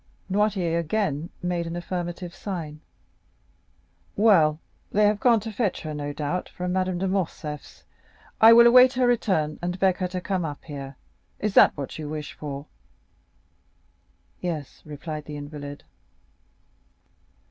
Noirtier again made an affirmative sign. "Well, they have gone to fetch her, no doubt, from Madame de Morcerf's; I will await her return, and beg her to come up here. Is that what you wish for?" "Yes," replied the invalid.